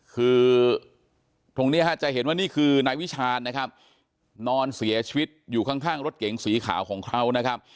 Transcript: คือตรงนี้จะเห็นว่านี่คือนายวิชาญนะครับนอนเสียชีวิตอยู่ข้างรถเก๋งสีขาวของเขานะครับ